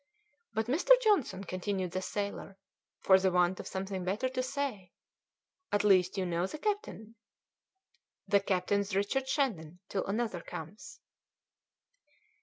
"But, Mr. Johnson," continued the sailor, for the want of something better to say, "at least you know the captain?" "The captain is Richard Shandon till another comes."